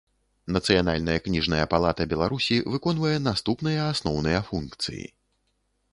Нацыянальная кнiжная палата Беларусi выконвае наступныя асноўныя функцыi.